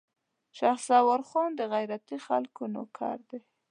شهسوار خان د غيرتي خلکو نوکر دی.